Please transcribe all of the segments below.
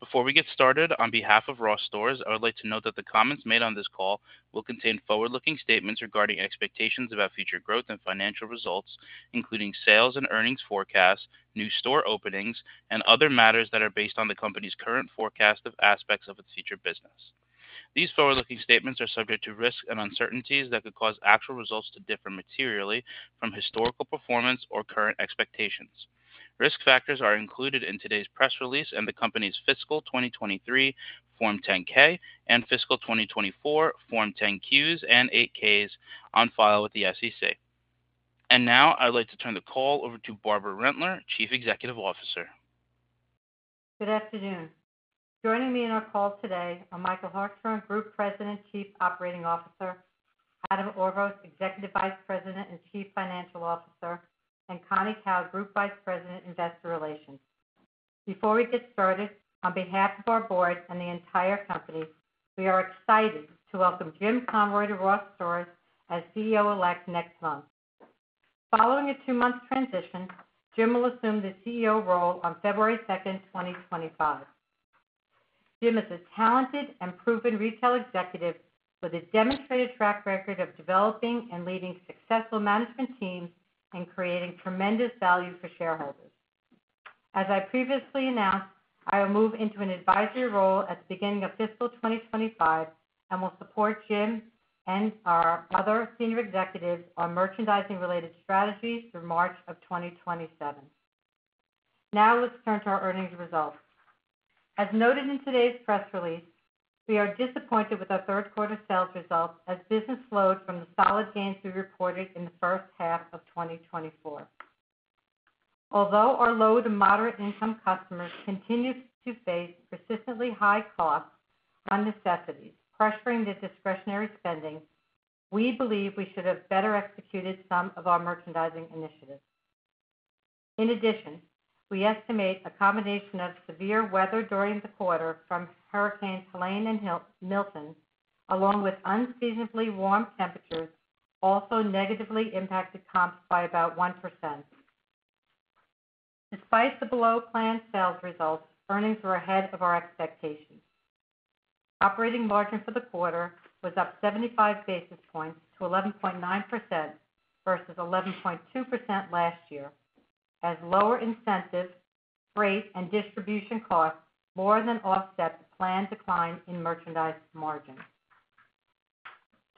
Before we get started, on behalf of Ross Stores, I would like to note that the comments made on this call will contain forward-looking statements regarding expectations about future growth and financial results, including sales and earnings forecasts, new store openings, and other matters that are based on the company's current forecast of aspects of its future business. These forward-looking statements are subject to risks and uncertainties that could cause actual results to differ materially from historical performance or current expectations. Risk factors are included in today's press release and the company's Fiscal 2023 Form 10-K and Fiscal 2024 Form 10-Qs and 8-Ks on file with the SEC, and now I'd like to turn the call over to Barbara Rentler, Chief Executive Officer. Good afternoon. Joining me in our call today are Michael Hartshorn, Group President, Chief Operating Officer, Adam Orvos, Executive Vice President and Chief Financial Officer, and Connie Kao, Group Vice President, Investor Relations. Before we get started, on behalf of our board and the entire company, we are excited to welcome Jim Conroy to Ross Stores as CEO Elect next month. Following a two-month transition, Jim will assume the CEO role on February 2nd, 2025. Jim is a talented and proven retail executive with a demonstrated track record of developing and leading successful management teams and creating tremendous value for shareholders. As I previously announced, I will move into an advisory role at the beginning of Fiscal 2025 and will support Jim and our other senior executives on merchandising-related strategies through March of 2027. Now, let's turn to our earnings results. As noted in today's press release, we are disappointed with our third-quarter sales results as business slowed from the solid gains we reported in the first half of 2024. Although our low to moderate-income customers continue to face persistently high costs on necessities pressuring their discretionary spending, we believe we should have better executed some of our merchandising initiatives. In addition, we estimate a combination of severe weather during the quarter from Hurricanes Helene & Milton, along with unseasonably warm temperatures, also negatively impacted comps by about 1%. Despite the below-planned sales results, earnings were ahead of our expectations. Operating margin for the quarter was up 75 basis points to 11.9% versus 11.2% last year as lower incentives, freight, and distribution costs more than offset the planned decline in merchandise margins.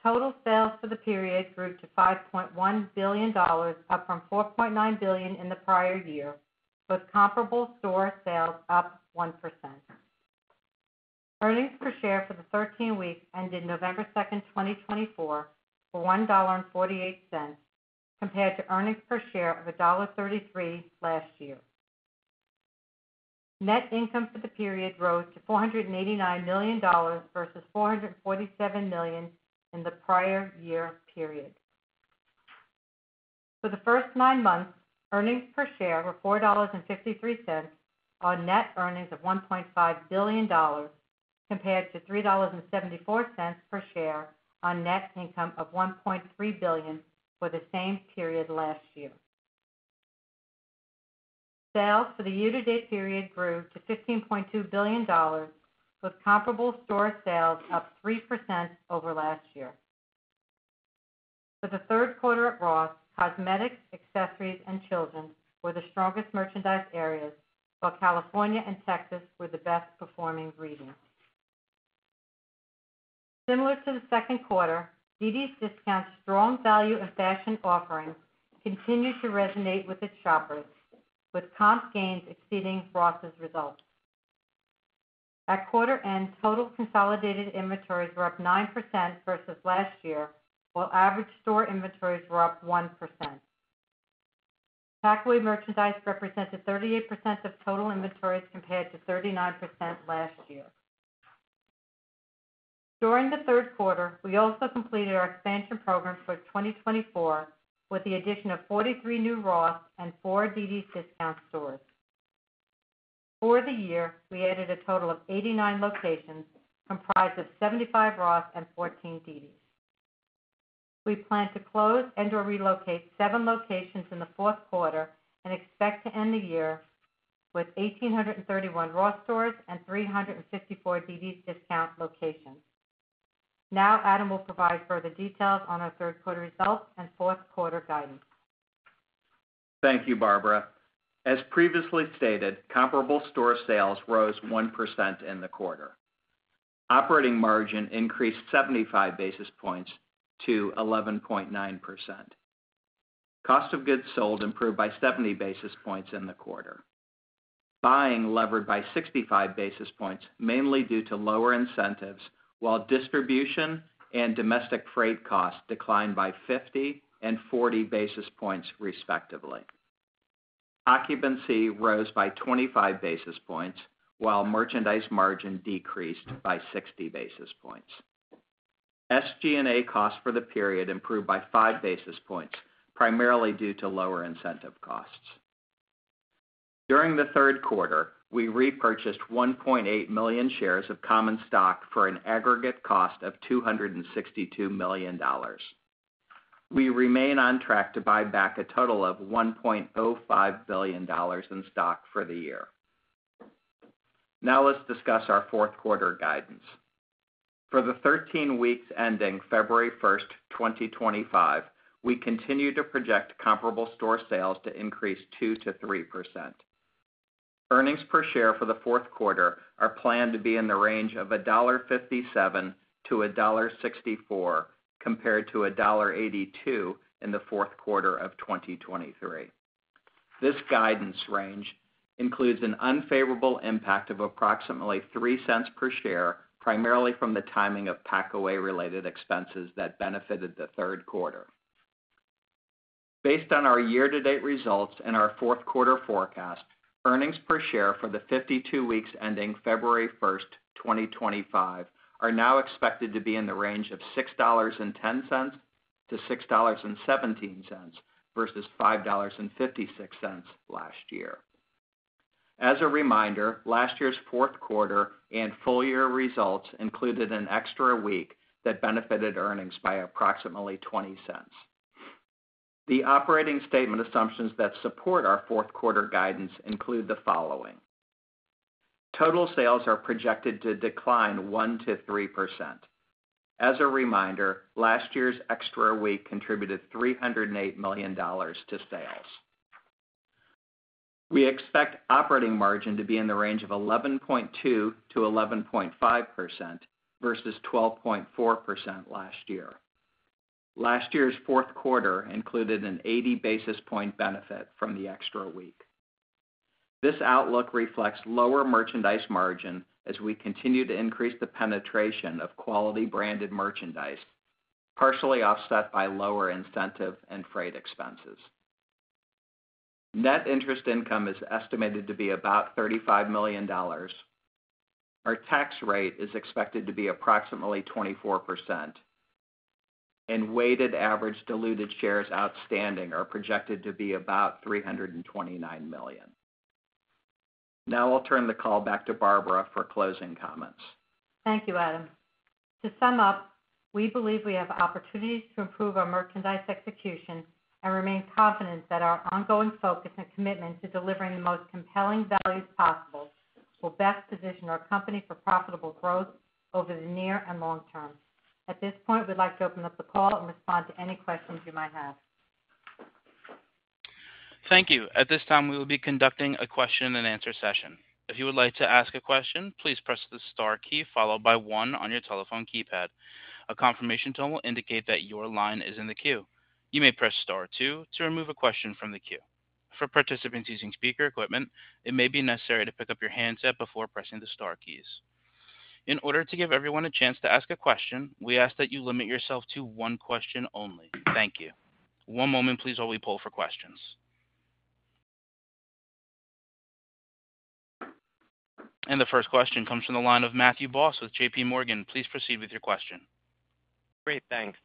Total sales for the period grew to $5.1 billion, up from $4.9 billion in the prior year, with comparable store sales up 1%. Earnings per share for the 13-week ended November 2nd, 2024, for $1.48, compared to earnings per share of $1.33 last year. Net income for the period rose to $489 million versus $447 million in the prior year period. For the first nine months, earnings per share were $4.53 on net earnings of $1.5 billion, compared to $3.74 per share on net income of $1.3 billion for the same period last year. Sales for the year-to-date period grew to $15.2 billion, with comparable store sales up 3% over last year. For the third quarter at Ross, cosmetics, accessories, and children were the strongest merchandise areas, while California and Texas were the best-performing regions. Similar to the second quarter, dd's DISCOUNTS strong value and fashion offerings continue to resonate with its shoppers, with comp gains exceeding Ross's results. At quarter end, total consolidated inventories were up 9% versus last year, while average store inventories were up 1%. Packaway merchandise represented 38% of total inventories compared to 39% last year. During the third quarter, we also completed our expansion program for 2024 with the addition of 43 new Ross and four dd's DISCOUNTS stores. For the year, we added a total of 89 locations comprised of 75 Ross and 14 dd's. We plan to close and/or relocate seven locations in the fourth quarter and expect to end the year with 1,831 Ross stores and 354 dd's DISCOUNTS locations. Now, Adam will provide further details on our third-quarter results and fourth-quarter guidance. Thank you, Barbara. As previously stated, comparable store sales rose 1% in the quarter. Operating margin increased 75 basis points to 11.9%. Cost of goods sold improved by 70 basis points in the quarter. Buying levered by 65 basis points, mainly due to lower incentives, while distribution and domestic freight costs declined by 50 basis points and 40 basis points, respectively. Occupancy rose by 25 basis points, while merchandise margin decreased by 60 basis points. SG&A costs for the period improved by 5 basis points, primarily due to lower incentive costs. During the third quarter, we repurchased 1.8 million shares of common stock for an aggregate cost of $262 million. We remain on track to buy back a total of $1.05 billion in stock for the year. Now, let's discuss our fourth-quarter guidance. For the 13 weeks ending February 1st, 2025, we continue to project comparable store sales to increase 2%-3%. Earnings per share for the fourth quarter are planned to be in the range of $1.57-$1.64, compared to $1.82 in the fourth quarter of 2023. This guidance range includes an unfavorable impact of approximately $0.03 per share, primarily from the timing of Packaway-related expenses that benefited the third quarter. Based on our year-to-date results and our fourth-quarter forecast, earnings per share for the 52 weeks ending February 1st, 2025, are now expected to be in the range of $6.10-$6.17 versus $5.56 last year. As a reminder, last year's fourth quarter and full-year results included an extra week that benefited earnings by approximately $0.20. The operating statement assumptions that support our fourth-quarter guidance include the following: total sales are projected to decline 1%-3%. As a reminder, last year's extra week contributed $308 million to sales. We expect operating margin to be in the range of 11.2%-11.5% versus 12.4% last year. Last year's fourth quarter included an 80 basis points benefit from the extra week. This outlook reflects lower merchandise margin as we continue to increase the penetration of quality branded merchandise, partially offset by lower incentive and freight expenses. Net interest income is estimated to be about $35 million. Our tax rate is expected to be approximately 24%, and weighted average diluted shares outstanding are projected to be about $329 million. Now, I'll turn the call back to Barbara for closing comments. Thank you, Adam. To sum up, we believe we have opportunities to improve our merchandise execution and remain confident that our ongoing focus and commitment to delivering the most compelling values possible will best position our company for profitable growth over the near and long term. At this point, we'd like to open up the call and respond to any questions you might have. Thank you. At this time, we will be conducting a question-and-answer session. If you would like to ask a question, please press the star key followed by one on your telephone keypad. A confirmation tone will indicate that your line is in the queue. You may press star two to remove a question from the queue. For participants using speaker equipment, it may be necessary to pick up your handset before pressing the star keys. In order to give everyone a chance to ask a question, we ask that you limit yourself to one question only. Thank you. One moment, please, while we poll for questions. And the first question comes from the line of Matthew Boss with JPMorgan. Please proceed with your question. Great. Thanks.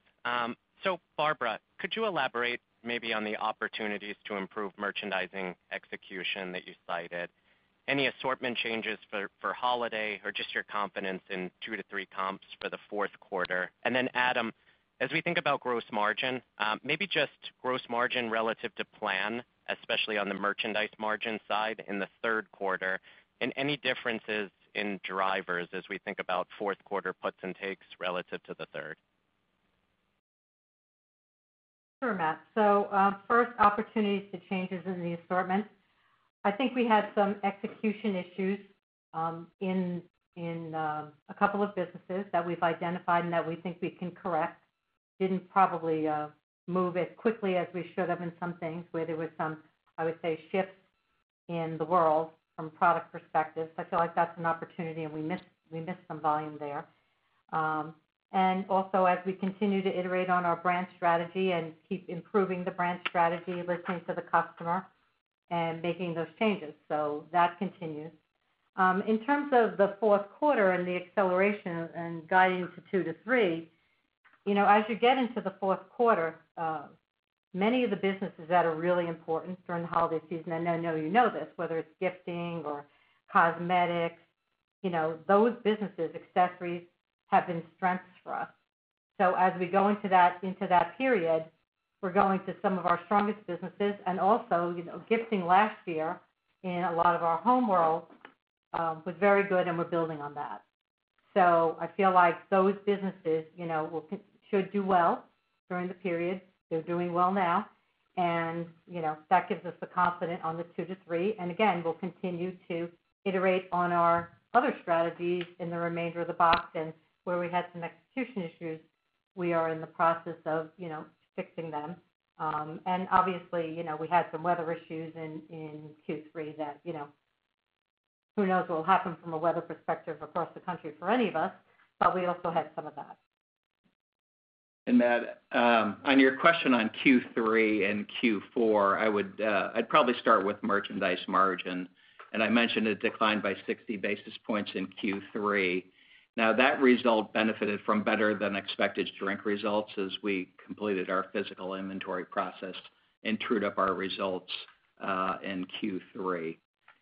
So, Barbara, could you elaborate maybe on the opportunities to improve merchandising execution that you cited? Any assortment changes for holiday or just your confidence in two to three comps for the fourth quarter? And then, Adam, as we think about gross margin, maybe just gross margin relative to plan, especially on the merchandise margin side in the third quarter, and any differences in drivers as we think about fourth-quarter puts and takes relative to the third? Sure, Matt. So, first, opportunities to changes in the assortment. I think we had some execution issues in a couple of businesses that we've identified and that we think we can correct. Didn't probably move as quickly as we should have in some things where there were some, I would say, shifts in the world from product perspective. So I feel like that's an opportunity, and we missed some volume there. And also, as we continue to iterate on our brand strategy and keep improving the brand strategy, listening to the customer, and making those changes, so that continues. In terms of the fourth quarter and the acceleration and guiding to two to three, as you get into the fourth quarter, many of the businesses that are really important during the holiday season, and I know you know this, whether it's gifting or cosmetics, those businesses, accessories, have been strengths for us. So as we go into that period, we're going to some of our strongest businesses. And also, gifting last year in a lot of our home world was very good, and we're building on that. So I feel like those businesses should do well during the period. They're doing well now, and that gives us the confidence on the two to three. And again, we'll continue to iterate on our other strategies in the remainder of the box. And where we had some execution issues, we are in the process of fixing them. And obviously, we had some weather issues in Q3 that who knows what will happen from a weather perspective across the country for any of us, but we also had some of that. Matt, on your question on Q3 and Q4, I'd probably start with merchandise margin. I mentioned a decline by 60 basis points in Q3. Now, that result benefited from better-than-expected shrink results as we completed our physical inventory process and trued up our results in Q3.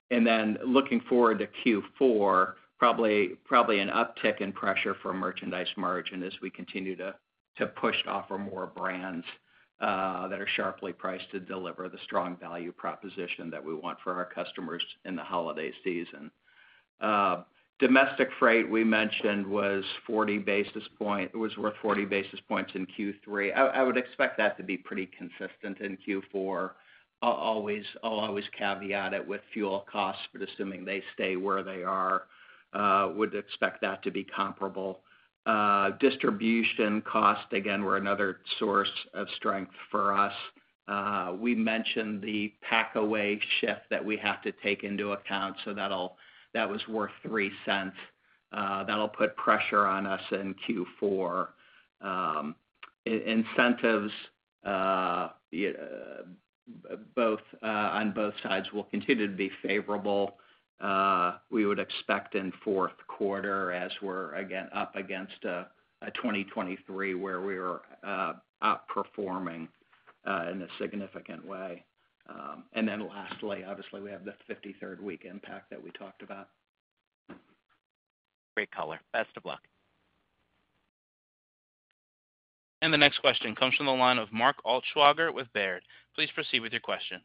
Then looking forward to Q4, probably an uptick in pressure for merchandise margin as we continue to push to offer more brands that are sharply priced to deliver the strong value proposition that we want for our customers in the holiday season. Domestic freight we mentioned was 40 basis points. It hurt 40 basis points in Q3. I would expect that to be pretty consistent in Q4. I'll always caveat it with fuel costs, but assuming they stay where they are, I would expect that to be comparable. Distribution costs, again, were another source of strength for us. We mentioned the Packaway shift that we have to take into account, so that was worth $0.03. That'll put pressure on us in Q4. Incentives, both on both sides, will continue to be favorable. We would expect in fourth quarter as we're, again, up against 2023 where we were outperforming in a significant way. And then lastly, obviously, we have the 53rd week impact that we talked about. Great color. Best of luck. The next question comes from the line of Mark Altschwager with Baird. Please proceed with your question.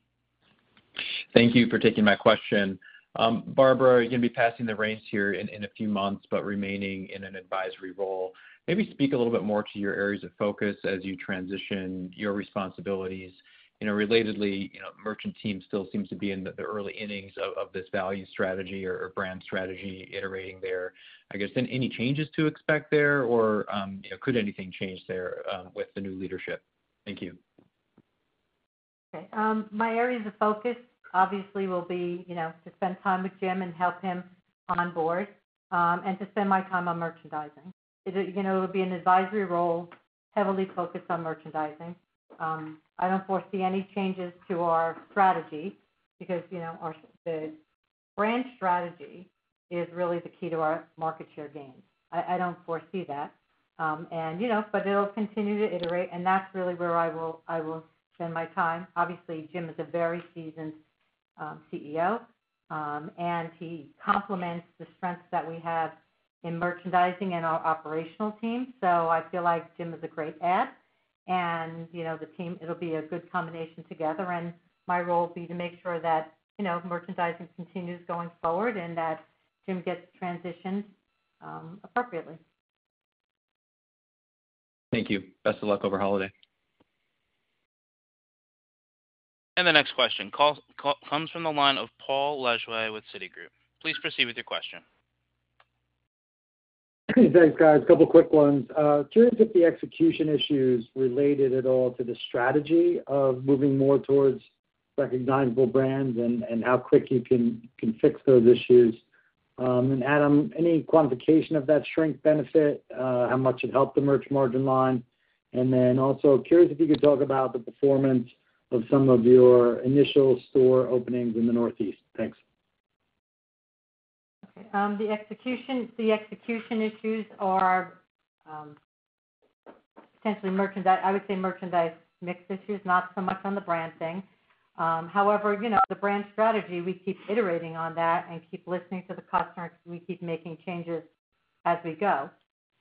Thank you for taking my question. Barbara, you're going to be passing the reins here in a few months, but remaining in an advisory role. Maybe speak a little bit more to your areas of focus as you transition your responsibilities. Relatedly, the merchant team still seems to be in the early innings of this value strategy or brand strategy iterating there. I guess, any changes to expect there, or could anything change there with the new leadership? Thank you. Okay. My areas of focus, obviously, will be to spend time with Jim and help him on board and to spend my time on merchandising. It'll be an advisory role heavily focused on merchandising. I don't foresee any changes to our strategy because the brand strategy is really the key to our market share gains. I don't foresee that, but it'll continue to iterate, and that's really where I will spend my time. Obviously, Jim is a very seasoned CEO, and he complements the strengths that we have in merchandising and our operational team. So I feel like Jim is a great add, and the team, it'll be a good combination together. My role will be to make sure that merchandising continues going forward and that Jim gets transitioned appropriately. Thank you. Best of luck over holiday. The next question comes from the line of Paul Lejuez with Citigroup. Please proceed with your question. Thanks, guys. A couple of quick ones. Curious if the execution issues related at all to the strategy of moving more towards recognizable brands and how quick you can fix those issues? And, Adam, any quantification of that strength benefit, how much it helped the merch margin line? And then also, curious if you could talk about the performance of some of your initial store openings in the Northeast? Thanks. Okay. The execution issues are essentially merchandise. I would say merchandise mix issues, not so much on the brand thing. However, the brand strategy, we keep iterating on that and keep listening to the customers. We keep making changes as we go.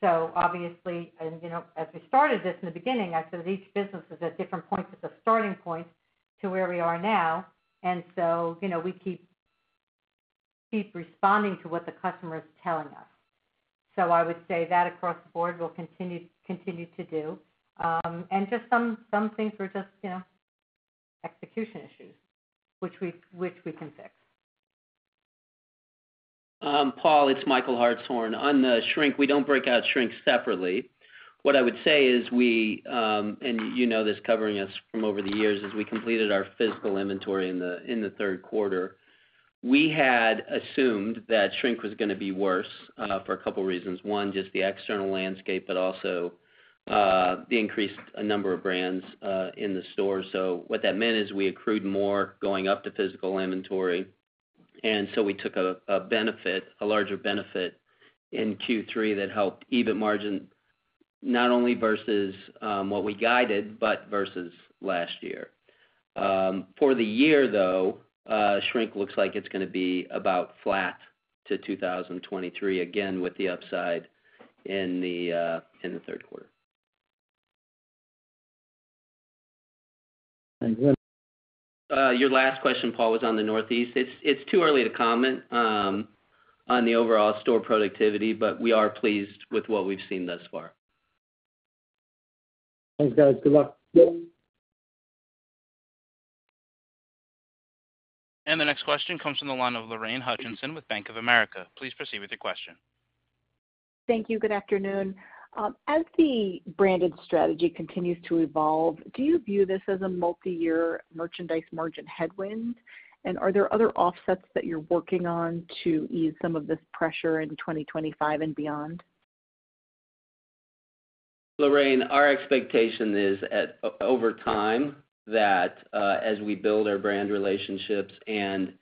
So obviously, as we started this in the beginning, I said each business is at different points. It's a starting point to where we are now. And so we keep responding to what the customer is telling us. So I would say that across the board we'll continue to do. And just some things were just execution issues, which we can fix. Paul, it's Michael Hartshorn. On the shrink, we don't break out shrink separately. What I would say is, and you know this covering us from over the years, as we completed our physical inventory in the third quarter, we had assumed that shrink was going to be worse for a couple of reasons. One, just the external landscape, but also the increased number of brands in the store. So what that meant is we accrued more going up to physical inventory. And so we took a larger benefit in Q3 that helped even margin, not only versus what we guided, but versus last year. For the year, though, shrink looks like it's going to be about flat to 2023, again with the upside in the third quarter. Your last question, Paul, was on the Northeast. It's too early to comment on the overall store productivity, but we are pleased with what we've seen thus far. Thanks, guys. Good luck. The next question comes from the line of Lorraine Hutchinson with Bank of America. Please proceed with your question. Thank you. Good afternoon. As the branded strategy continues to evolve, do you view this as a multi-year merchandise margin headwind? And are there other offsets that you're working on to ease some of this pressure in 2025 and beyond? Lorraine, our expectation is over time that as we build our brand relationships and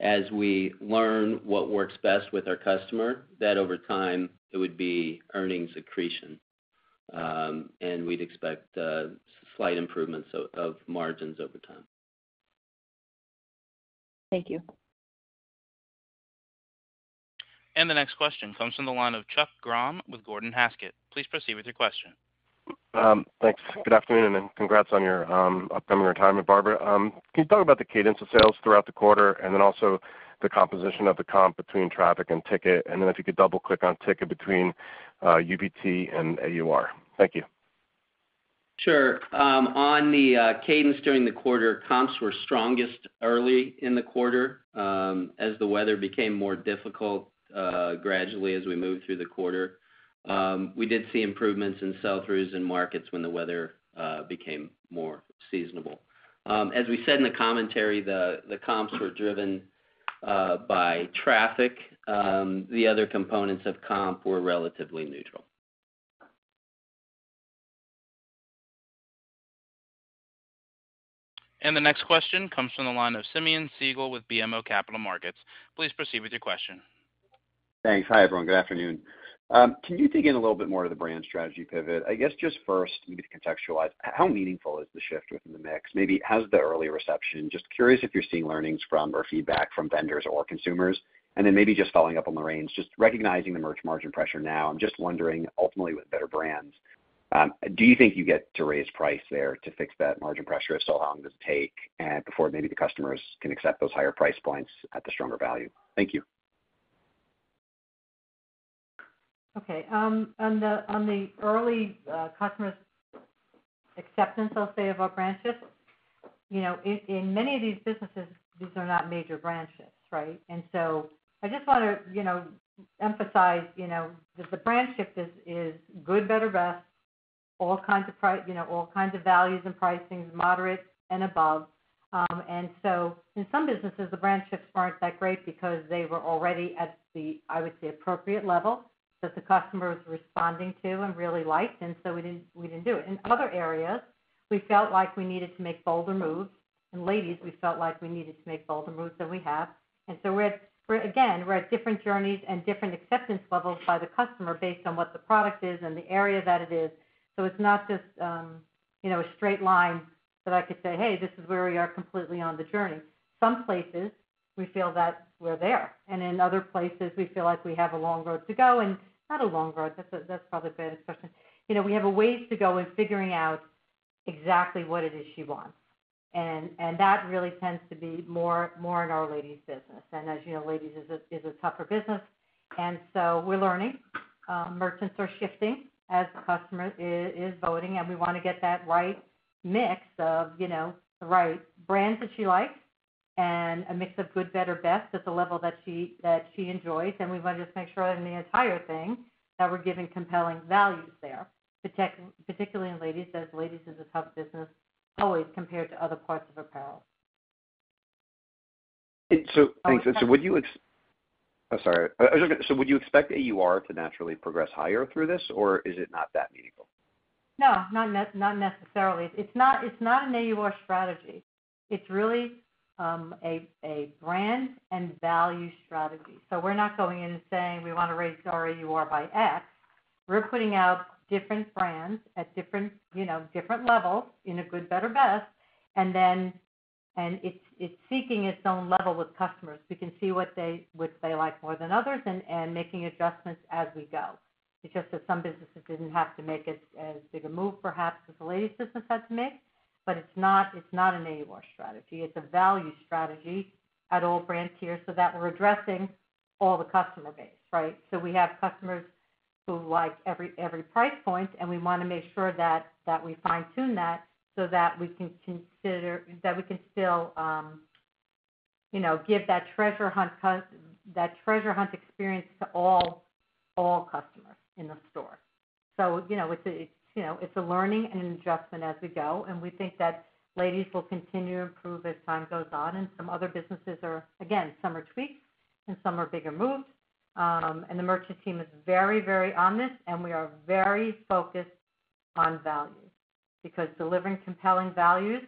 as we learn what works best with our customer, that over time it would be earnings accretion, and we'd expect slight improvements of margins over time. Thank you. The next question comes from the line of Chuck Grom with Gordon Haskett. Please proceed with your question. Thanks. Good afternoon, and congrats on your upcoming retirement, Barbara. Can you talk about the cadence of sales throughout the quarter and then also the composition of the comp between traffic and ticket? And then if you could double-click on ticket between UBT and AUR. Thank you. Sure. On the cadence during the quarter, comps were strongest early in the quarter as the weather became more difficult gradually as we moved through the quarter. We did see improvements in sell-throughs and markets when the weather became more seasonable. As we said in the commentary, the comps were driven by traffic. The other components of comp were relatively neutral. The next question comes from the line of Simeon Siegel with BMO Capital Markets. Please proceed with your question. Thanks. Hi, everyone. Good afternoon. Can you dig in a little bit more to the brand strategy pivot? I guess just first, maybe to contextualize, how meaningful is the shift within the mix? Maybe how's the early reception? Just curious if you're seeing learnings from or feedback from vendors or consumers. And then maybe just following up on Lorraine's, just recognizing the merch margin pressure now. I'm just wondering, ultimately, with better brands, do you think you get to raise price there to fix that margin pressure? So how long does it take before maybe the customers can accept those higher price points at the stronger value? Thank you. Okay. On the early customer acceptance, I'll say, of our brand shift, in many of these businesses, these are not major brand shifts, right? And so I just want to emphasize that the brand shift is good, better, best, all kinds of values and pricings, moderate and above. And so in some businesses, the brand shifts weren't that great because they were already at the, I would say, appropriate level that the customer was responding to and really liked, and so we didn't do it. In other areas, we felt like we needed to make bolder moves. In ladies, we felt like we needed to make bolder moves than we have. And so again, we're at different journeys and different acceptance levels by the customer based on what the product is and the area that it is. It's not just a straight line that I could say, "Hey, this is where we are completely on the journey." Some places, we feel that we're there. In other places, we feel like we have a long road to go. Not a long road. That's probably a bad expression. We have a ways to go in figuring out exactly what it is she wants. That really tends to be more in our ladies' business. As you know, ladies is a tougher business. We're learning. Merchants are shifting as the customer is voting. We want to get that right mix of the right brands that she likes and a mix of good, better, best at the level that she enjoys. We want to just make sure in the entire thing that we're giving compelling values there, particularly in ladies, as ladies is a tough business always compared to other parts of apparel. Thanks. And so would you, I'm sorry. So would you expect AUR to naturally progress higher through this, or is it not that meaningful? No, not necessarily. It's not an AUR strategy. It's really a brand and value strategy. So we're not going in and saying, "We want to raise our AUR by X." We're putting out different brands at different levels in a good, better, best, and it's seeking its own level with customers. We can see what they like more than others and making adjustments as we go. It's just that some businesses didn't have to make as big a move perhaps as the ladies' business had to make, but it's not an AUR strategy. It's a value strategy at all brands here so that we're addressing all the customer base, right, so we have customers who like every price point, and we want to make sure that we fine-tune that so that we can consider that we can still give that treasure hunt experience to all customers in the store. So it's a learning and an adjustment as we go. And we think that ladies will continue to improve as time goes on. And some other businesses are, again, some are tweaks and some are bigger moves. And the merchant team is very, very on this, and we are very focused on value because delivering compelling values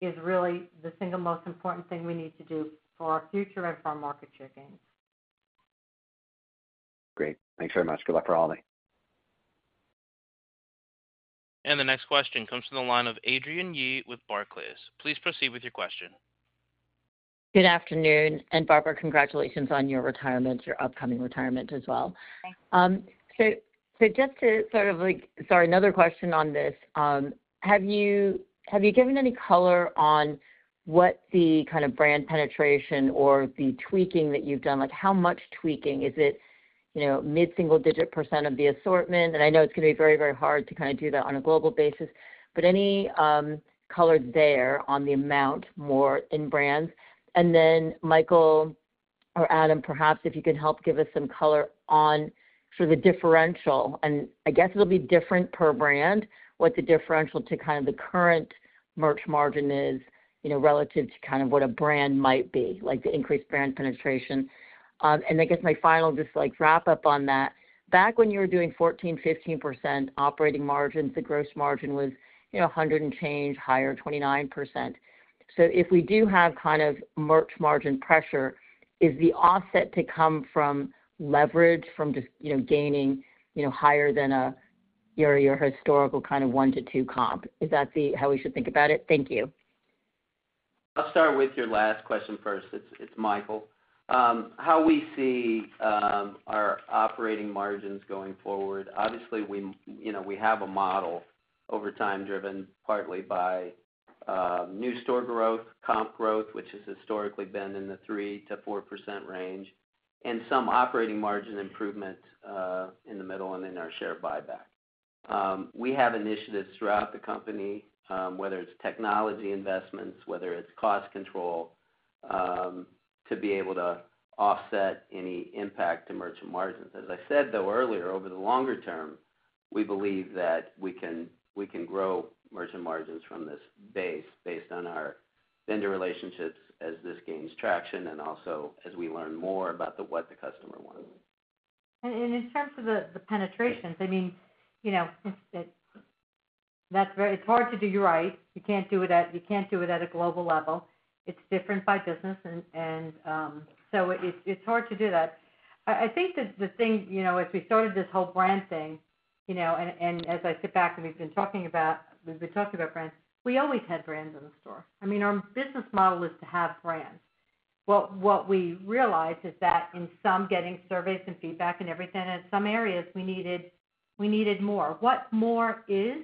is really the single most important thing we need to do for our future and for our market share gains. Great. Thanks very much. Good luck for all. The next question comes from the line of Adrienne Yih with Barclays. Please proceed with your question. Good afternoon. And Barbara, congratulations on your retirement, your upcoming retirement as well. So just to sort of, sorry, another question on this. Have you given any color on what the kind of brand penetration or the tweaking that you've done? How much tweaking? Is it mid-single-digit % of the assortment? And I know it's going to be very, very hard to kind of do that on a global basis, but any color there on the amount more in brands? And then Michael or Adam, perhaps if you can help give us some color on sort of the differential. And I guess it'll be different per brand what the differential to kind of the current merch margin is relative to kind of what a brand might be, like the increased brand penetration. And I guess my final just wrap-up on that. Back when you were doing 14%-15% operating margins, the gross margin was 100% and change, higher 29%. So if we do have kind of merch margin pressure, is the offset to come from leverage from just gaining higher than your historical kind of 1-2 comp? Is that how we should think about it? Thank you. I'll start with your last question first. It's Michael. How we see our operating margins going forward. Obviously, we have a model over time driven partly by new store growth, comp growth, which has historically been in the 3%-4% range, and some operating margin improvement in the middle and in our share buyback. We have initiatives throughout the company, whether it's technology investments, whether it's cost control, to be able to offset any impact to merchant margins. As I said, though, earlier, over the longer term, we believe that we can grow merchant margins from this base based on our vendor relationships as this gains traction and also as we learn more about what the customer wants. In terms of the penetrations, I mean, it's hard to do it right. You can't do it at a global level. It's different by business. And so it's hard to do that. I think that the thing, as we started this whole brand thing, and as I sit back and we've been talking about, we've been talking about brands, we always had brands in the store. I mean, our business model is to have brands. What we realized is that in some, getting surveys and feedback and everything, in some areas, we needed more. What more is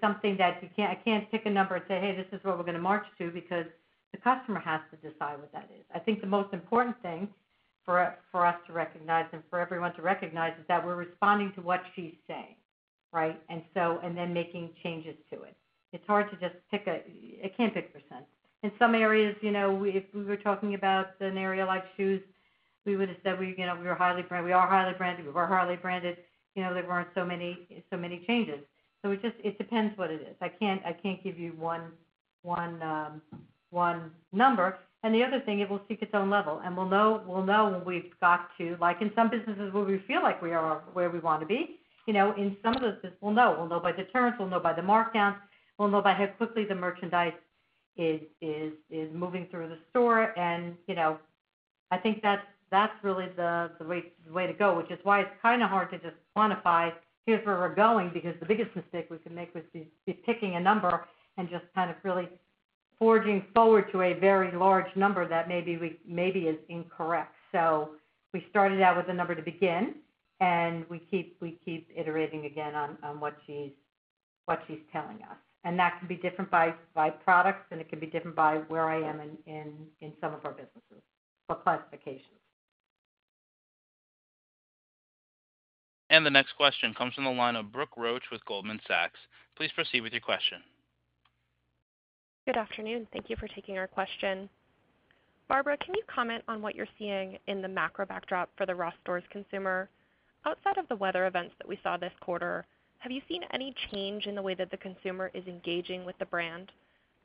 something that I can't pick a number and say, "Hey, this is what we're going to march to," because the customer has to decide what that is. I think the most important thing for us to recognize and for everyone to recognize is that we're responding to what she's saying, right? Making changes to it. It's hard to just pick a. I can't pick percent. In some areas, if we were talking about an area like shoes, we would have said we were highly branded. We are highly branded. We were highly branded. There weren't so many changes. It depends what it is. I can't give you one number. The other thing, it will seek its own level. We'll know when we've got to, like in some businesses where we feel like we are where we want to be. In some of those businesses, we'll know. We'll know by the turns. We'll know by the markdowns. We'll know by how quickly the merchandise is moving through the store. I think that's really the way to go, which is why it's kind of hard to just quantify, "Here's where we're going," because the biggest mistake we can make would be picking a number and just kind of really forging forward to a very large number that maybe is incorrect. So we started out with a number to begin, and we keep iterating again on what she's telling us. And that can be different by products, and it can be different by where I am in some of our businesses for classifications. The next question comes from the line of Brooke Roach with Goldman Sachs. Please proceed with your question. Good afternoon. Thank you for taking our question. Barbara, can you comment on what you're seeing in the macro backdrop for the Ross Stores consumer? Outside of the weather events that we saw this quarter, have you seen any change in the way that the consumer is engaging with the brand?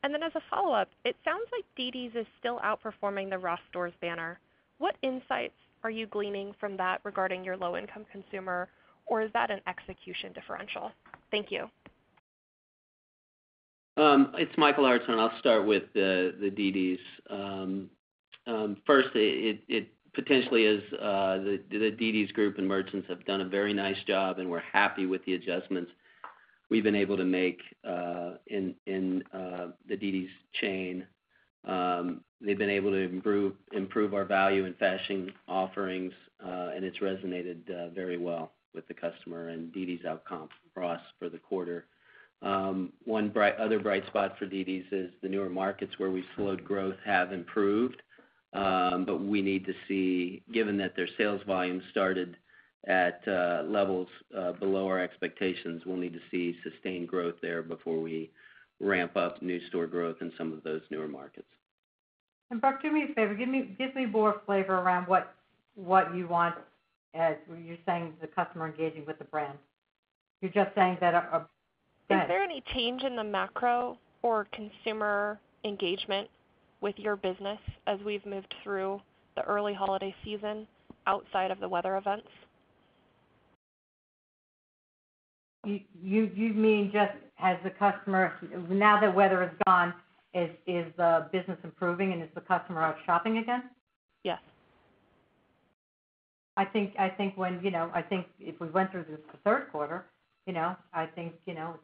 And then as a follow-up, it sounds like dd's is still outperforming the Ross Stores banner. What insights are you gleaning from that regarding your low-income consumer, or is that an execution differential? Thank you. It's Michael Hartshorn. I'll start with the DD's. First, it potentially is the DD's group and merchants have done a very nice job, and we're happy with the adjustments we've been able to make in the DD's chain. They've been able to improve our value and fashion offerings, and it's resonated very well with the customer and dd's outcome for us for the quarter. One other bright spot for dd's is the newer markets where we've slowed growth have improved, but we need to see, given that their sales volume started at levels below our expectations, we'll need to see sustained growth there before we ramp up new store growth in some of those newer markets. And Brooke, give me a flavor. Give me more flavor around what you want as you're saying the customer engaging with the brand. You're just saying that. Is there any change in the macro or consumer engagement with your business as we've moved through the early holiday season outside of the weather events? You mean just as the customer, now that weather is gone, is the business improving and is the customer out shopping again? Yes. I think when I think if we went through this the third quarter, I think the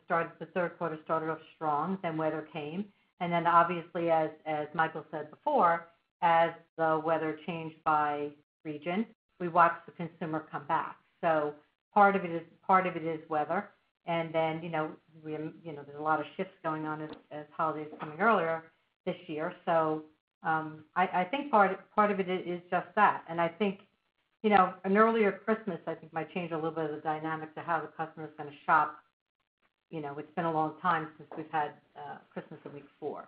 third quarter started off strong, then weather came. And then obviously, as Michael said before, as the weather changed by region, we watched the consumer come back. So part of it is weather. And then there's a lot of shifts going on as holidays coming earlier this year. So I think part of it is just that. And I think an earlier Christmas, I think, might change a little bit of the dynamic to how the customer is going to shop. It's been a long time since we've had Christmas the week before.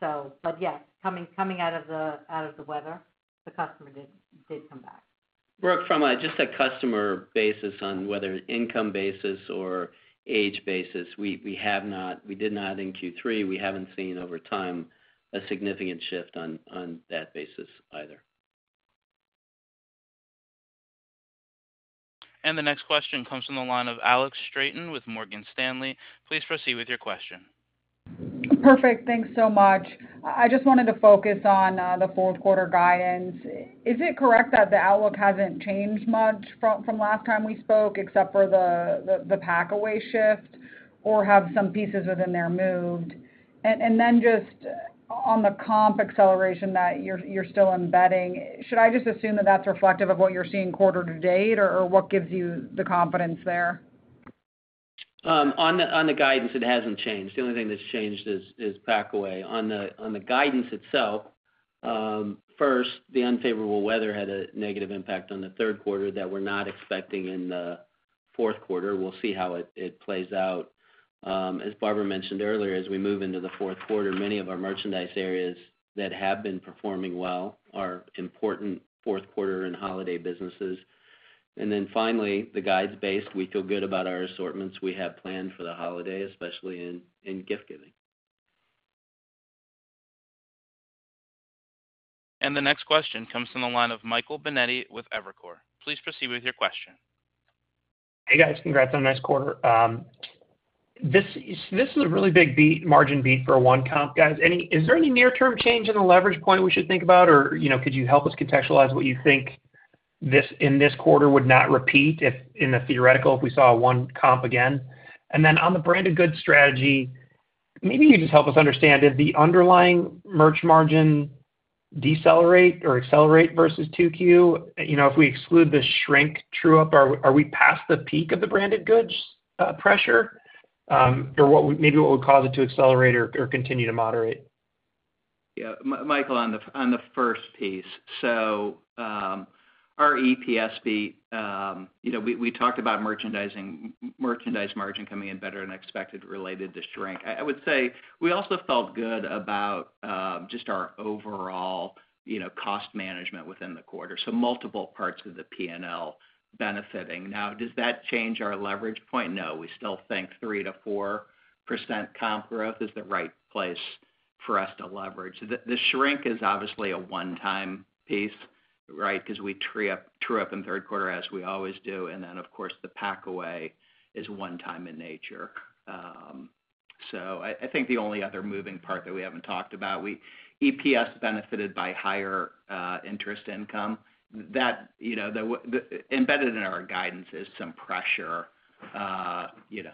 But yes, coming out of the weather, the customer did come back. Brooke, from just a customer basis on whether income basis or age basis, we did not in Q3. We haven't seen over time a significant shift on that basis either. The next question comes from the line of Alex Straton with Morgan Stanley. Please proceed with your question. Perfect. Thanks so much. I just wanted to focus on the fourth quarter guidance. Is it correct that the outlook hasn't changed much from last time we spoke except for the pack away shift, or have some pieces within there moved? And then just on the comp acceleration that you're still embedding, should I just assume that that's reflective of what you're seeing quarter to date or what gives you the confidence there? On the guidance, it hasn't changed. The only thing that's changed is Packaway. On the guidance itself, first, the unfavorable weather had a negative impact on the third quarter that we're not expecting in the fourth quarter. We'll see how it plays out. As Barbara mentioned earlier, as we move into the fourth quarter, many of our merchandise areas that have been performing well are important fourth quarter and holiday businesses. And then finally, the guidance base, we feel good about our assortments we have planned for the holiday, especially in gift giving. The next question comes from the line of Michael Binetti with Evercore. Please proceed with your question. Hey, guys. Congrats on a nice quarter. This is a really big margin beat for a one comp, guys. Is there any near-term change in the leverage point we should think about, or could you help us contextualize what you think in this quarter would not repeat in the theoretical if we saw a one comp again? And then on the branded goods strategy, maybe you can just help us understand if the underlying merch margin decelerate or accelerate versus 2Q. If we exclude the shrink true-up, are we past the peak of the branded goods pressure, or maybe what would cause it to accelerate or continue to moderate? Yeah. Michael, on the first piece. So our EPS beat. We talked about merchandise margin coming in better than expected related to shrink. I would say we also felt good about just our overall cost management within the quarter. So multiple parts of the P&L benefiting. Now, does that change our leverage point? No. We still think 3%-4% comp growth is the right place for us to leverage. The shrink is obviously a one-time piece, right, because we true-up in third quarter as we always do. And then, of course, the packaway is one-time in nature. So I think the only other moving part that we haven't talked about. EPS benefited by higher interest income. Embedded in our guidance is some pressure,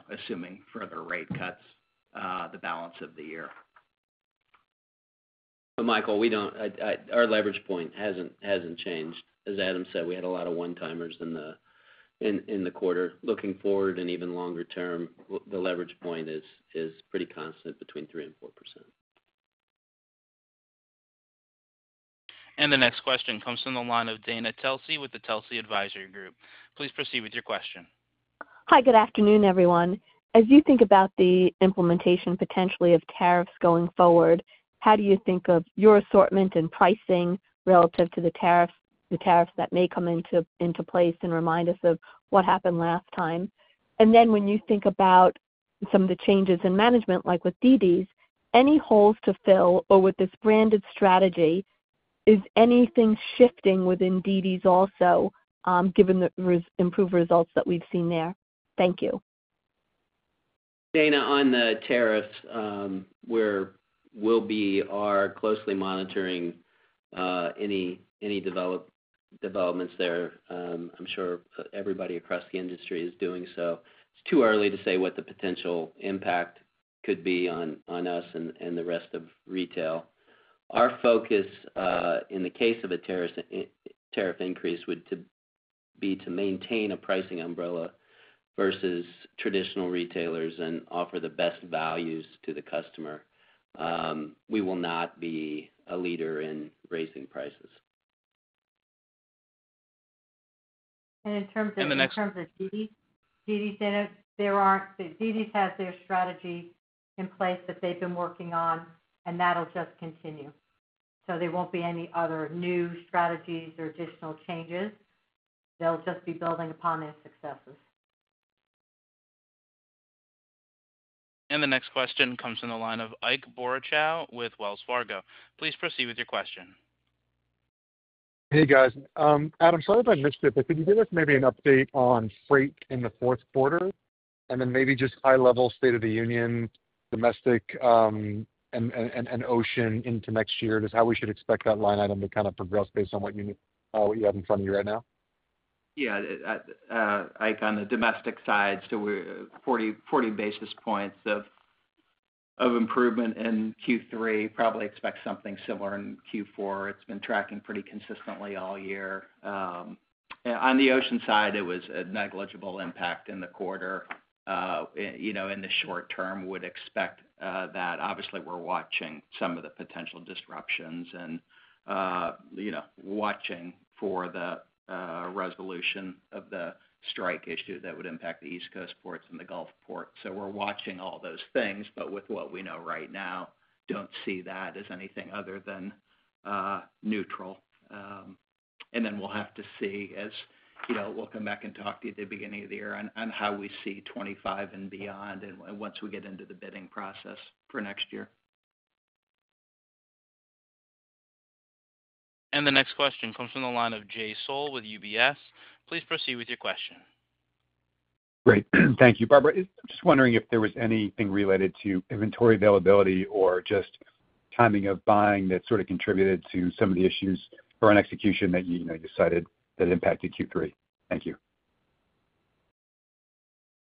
assuming further rate cuts, the balance of the year. But Michael, our leverage point hasn't changed. As Adam said, we had a lot of one-timers in the quarter. Looking forward and even longer term, the leverage point is pretty constant between 3% and 4%. The next question comes from the line of Dana Telsey with the Telsey Advisory Group. Please proceed with your question. Hi, good afternoon, everyone. As you think about the implementation potentially of tariffs going forward, how do you think of your assortment and pricing relative to the tariffs that may come into place and remind us of what happened last time? And then when you think about some of the changes in management, like with dd's, any holes to fill, or with this branded strategy, is anything shifting within dd's also given the improved results that we've seen there? Thank you. Dana, on the tariffs, we'll be closely monitoring any developments there. I'm sure everybody across the industry is doing so. It's too early to say what the potential impact could be on us and the rest of retail. Our focus in the case of a tariff increase would be to maintain a pricing umbrella versus traditional retailers and offer the best values to the customer. We will not be a leader in raising prices. In terms of dd's, dd's has their strategy in place that they've been working on, and that'll just continue. So there won't be any other new strategies or additional changes. They'll just be building upon their successes. The next question comes from the line of Ike Boruchow with Wells Fargo. Please proceed with your question. Hey, guys. Adam, sorry if I missed it, but could you give us maybe an update on freight in the fourth quarter? And then maybe just high-level state of the union, domestic, and ocean into next year, just how we should expect that line item to kind of progress based on what you have in front of you right now. Yeah. Ike, on the domestic side, so we're 40 basis points of improvement in Q3. Probably expect something similar in Q4. It's been tracking pretty consistently all year. On the ocean side, it was a negligible impact in the quarter. In the short term, we would expect that. Obviously, we're watching some of the potential disruptions and watching for the resolution of the strike issue that would impact the East Coast ports and the Gulf Port. So we're watching all those things, but with what we know right now, don't see that as anything other than neutral. And then we'll have to see, as we'll come back and talk to you at the beginning of the year on how we see 2025 and beyond and once we get into the bidding process for next year. The next question comes from the line of Jay Sole with UBS. Please proceed with your question. Great. Thank you, Barbara. Just wondering if there was anything related to inventory availability or just timing of buying that sort of contributed to some of the issues or an execution that you cited that impacted Q3? Thank you.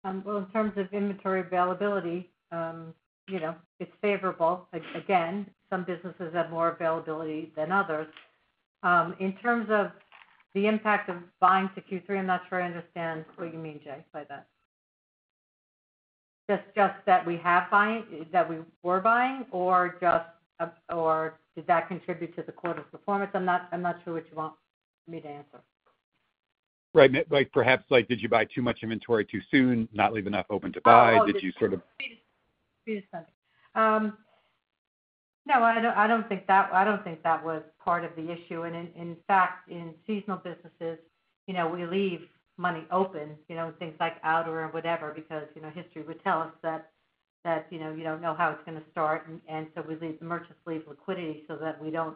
In terms of inventory availability, it's favorable. Again, some businesses have more availability than others. In terms of the impact of buying to Q3, I'm not sure I understand what you mean, Jay, by that. Just that we have buying, that we were buying, or did that contribute to the quarter's performance? I'm not sure what you want me to answer. Right. Perhaps did you buy too much inventory too soon, not leave enough open to buy? Did you sort of. No, I don't think that was part of the issue, and in fact, in seasonal businesses, we leave money open, things like outer or whatever, because history would tell us that you don't know how it's going to start. And so we leave the merchants liquidity so that we don't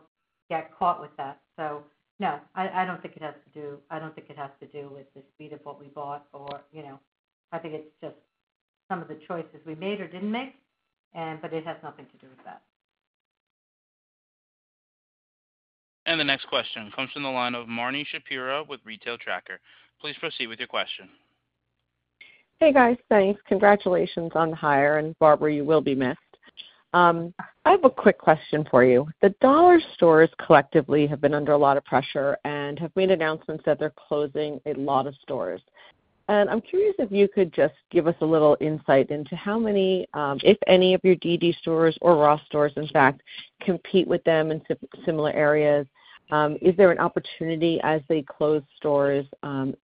get caught with that, so no, I don't think it has to do with the speed of what we bought, or I think it's just some of the choices we made or didn't make, but it has nothing to do with that. The next question comes from the line of Marni Shapiro with Retail Tracker. Please proceed with your question. Hey, guys. Thanks. Congratulations on the hire. And Barbara, you will be missed. I have a quick question for you. The dollar stores collectively have been under a lot of pressure and have made announcements that they're closing a lot of stores. And I'm curious if you could just give us a little insight into how many, if any, of your dd's stores or Ross stores, in fact, compete with them in similar areas. Is there an opportunity as they close stores?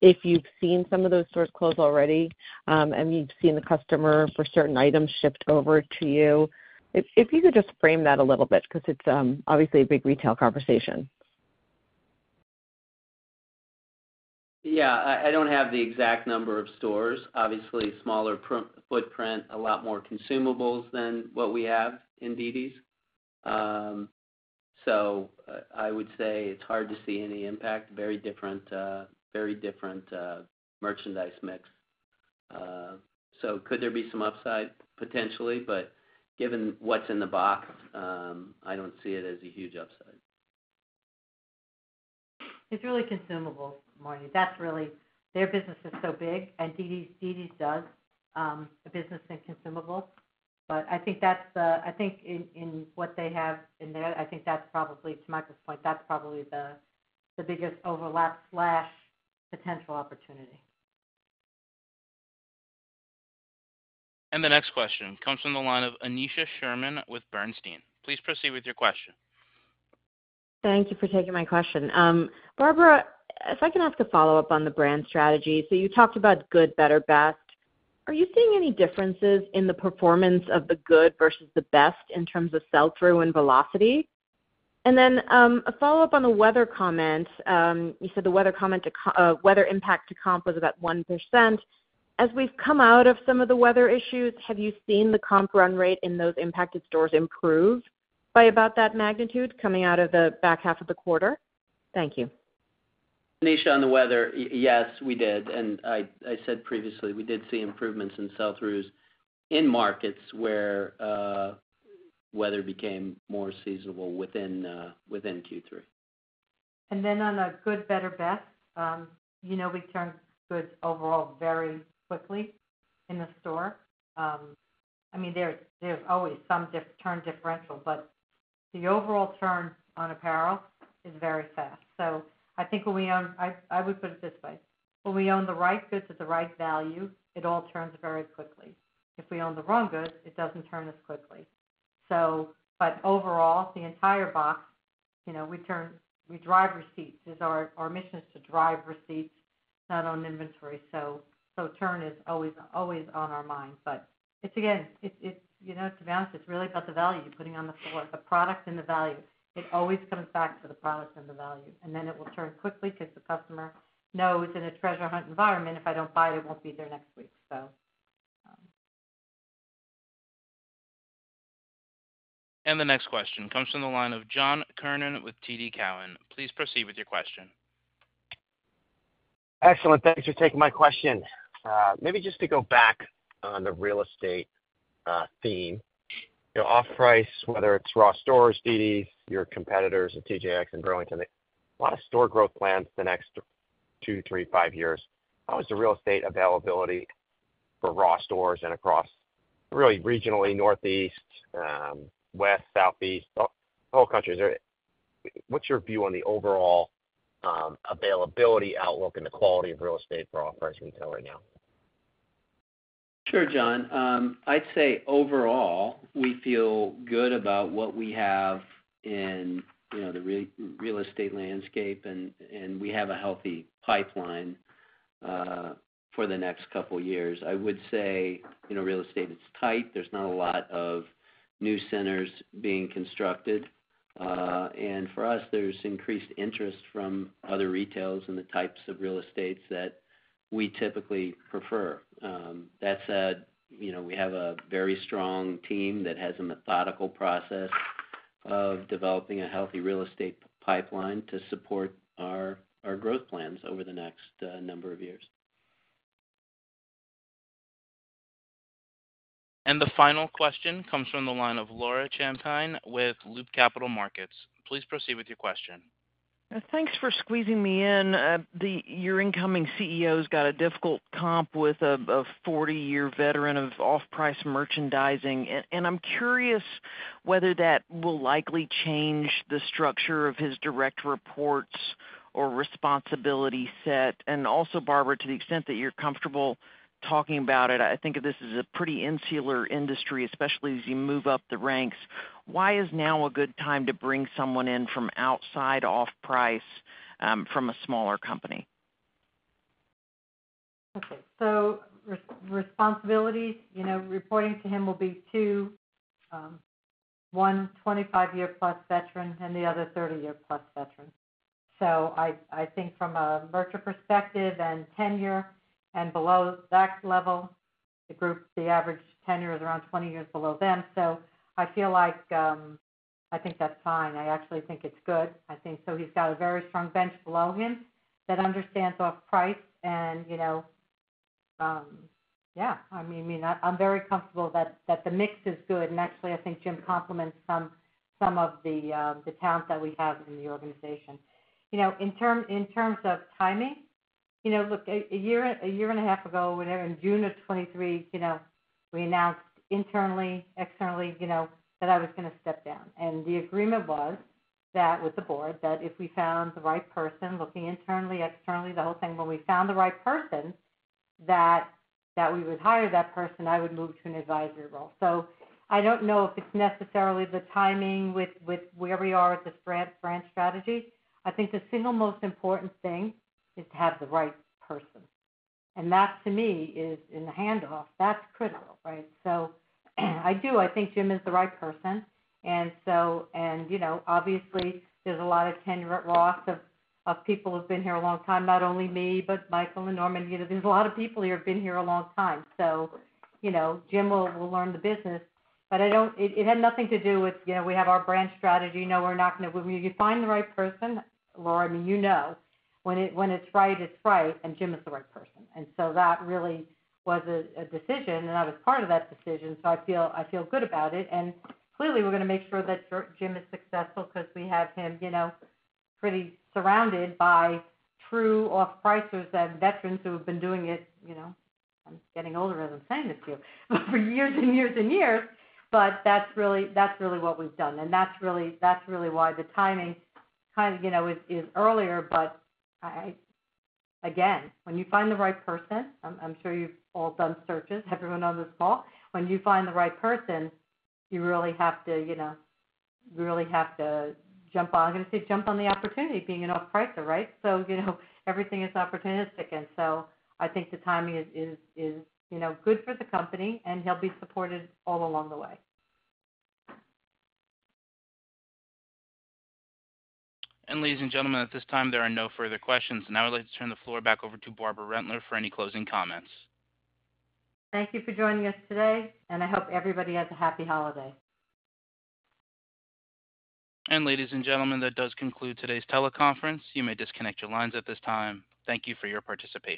If you've seen some of those stores close already and you've seen the customer for certain items shift over to you, if you could just frame that a little bit because it's obviously a big retail conversation. Yeah. I don't have the exact number of stores. Obviously, smaller footprint, a lot more consumables than what we have in dd's. So I would say it's hard to see any impact. Very different merchandise mix. So could there be some upside potentially? But given what's in the box, I don't see it as a huge upside. It's really consumables, Marnie. Their business is so big, and dd's does a business in consumables. But I think in what they have in there, I think that's probably, to Michael's point, that's probably the biggest overlap potential opportunity. The next question comes from the line of Aneesha Sherman with Bernstein. Please proceed with your question. Thank you for taking my question. Barbara, if I can ask a follow-up on the brand strategy. So you talked about good, better, best. Are you seeing any differences in the performance of the good versus the best in terms of sell-through and velocity? And then a follow-up on the weather comment. You said the weather impact to comp was about 1%. As we've come out of some of the weather issues, have you seen the comp run rate in those impacted stores improve by about that magnitude coming out of the back half of the quarter? Thank you. Aneesha on the weather, yes, we did, and I said previously we did see improvements in sell-throughs in markets where weather became more seasonable within Q3. And then, on a good, better, best, we turned goods overall very quickly in the store. I mean, there's always some turn differential, but the overall turn on apparel is very fast. So I think when we own, I would put it this way. When we own the right goods at the right value, it all turns very quickly. If we own the wrong goods, it doesn't turn as quickly. But overall, the entire box, we drive receipts. Our mission is to drive receipts, not on inventory. So turn is always on our mind. But again, to be honest, it's really about the value you're putting on the floor, the product and the value. It always comes back to the product and the value. And then it will turn quickly because the customer knows in a treasure hunt environment, if I don't buy it, it won't be there next week, so. And the next question comes from the line of John Kernan with TD Cowen. Please proceed with your question. Excellent. Thanks for taking my question. Maybe just to go back on the real estate theme. Off-price, whether it's Ross Stores, dd's, your competitors at TJX and Burlington, a lot of store growth plans for the next two, three, five years. How is the real estate availability for Ross Stores and across really regionally, northeast, west, southeast, the whole country? What's your view on the overall availability outlook and the quality of real estate for off-price retail right now? Sure, John. I'd say overall, we feel good about what we have in the real estate landscape, and we have a healthy pipeline for the next couple of years. I would say real estate is tight. There's not a lot of new centers being constructed. And for us, there's increased interest from other retailers and the types of real estate that we typically prefer. That said, we have a very strong team that has a methodical process of developing a healthy real estate pipeline to support our growth plans over the next number of years. The final question comes from the line of Laura Champine with Loop Capital Markets. Please proceed with your question. Thanks for squeezing me in. Your incoming CEO's got a difficult comp with a 40-year veteran of off-price merchandising. And I'm curious whether that will likely change the structure of his direct reports or responsibility set. And also, Barbara, to the extent that you're comfortable talking about it, I think this is a pretty insular industry, especially as you move up the ranks. Why is now a good time to bring someone in from outside off-price from a smaller company? Okay. So, responsibilities reporting to him will be two, one 25-year-plus veteran and the other 30-year-plus veteran. So I think from a merchant perspective and tenure and below that level, the average tenure is around 20 years below them. So I feel like I think that's fine. I actually think it's good. I think so he's got a very strong bench below him that understands off price. And yeah, I mean, I'm very comfortable that the mix is good. And actually, I think Jim compliments some of the talent that we have in the organization. In terms of timing, look, a year and a half ago, in June of 2023, we announced internally, externally that I was going to step down. And the agreement was with the board that if we found the right person looking internally, externally, the whole thing, when we found the right person that we would hire that person, I would move to an advisory role. So I don't know if it's necessarily the timing with where we are at this brand strategy. I think the single most important thing is to have the right person. And that, to me, is in the handoff. That's critical, right? So I do. I think Jim is the right person. And obviously, there's a lot of tenure at Ross of people who've been here a long time, not only me, but Michael and Norman. There's a lot of people here who've been here a long time. So Jim will learn the business. But it had nothing to do with we have our brand strategy. No, we're not going to. When you find the right person, Laura, I mean, you know, when it's right, it's right. And Jim is the right person. And so that really was a decision, and I was part of that decision. So I feel good about it. And clearly, we're going to make sure that Jim is successful because we have him pretty surrounded by true off-pricers and veterans who have been doing it. I'm getting older as I'm saying this to you for years and years and years. But that's really what we've done. And that's really why the timing kind of is earlier. But again, when you find the right person, I'm sure you've all done searches, everyone on this call. When you find the right person, you really have to jump on. I'm going to say jump on the opportunity being an off-pricer, right? So everything is opportunistic. And so I think the timing is good for the company, and he'll be supported all along the way. Ladies and gentlemen, at this time, there are no further questions. I would like to turn the floor back over to Barbara Rentler for any closing comments. Thank you for joining us today. I hope everybody has a happy holiday. Ladies and gentlemen, that does conclude today's teleconference. You may disconnect your lines at this time. Thank you for your participation.